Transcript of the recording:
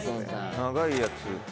長いやつ。